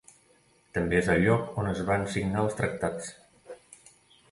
També és el lloc on es van signar els tractats.